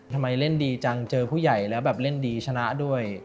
ทำไมเล่นดีจังเจอผู้ใหญ่แล้วแบบเล่นดีชนะด้วย